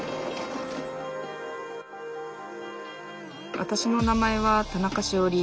わたしの名前は田中史緒里。